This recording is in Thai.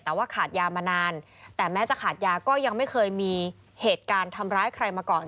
แต่ว่าขาดยามานานแต่แม้จะขาดยาก็ยังไม่เคยมีเหตุการณ์ทำร้ายใครมาก่อน